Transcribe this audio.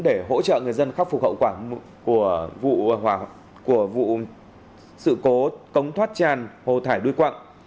để hỗ trợ người dân khắc phục hậu quả của sự cố cống thoát tràn hồ thải đuôi quặng